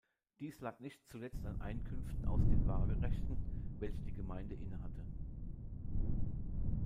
Dies lag nicht zuletzt an Einkünften aus den Waagerechten, welche die Gemeinde innehatte.